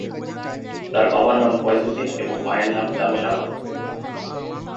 তার বাবার নাম ফয়েজ উদ্দিন এবং মায়ের নাম জামিলা আহমেদ।